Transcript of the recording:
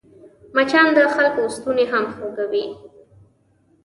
مچان د خلکو ستونی هم خوږوي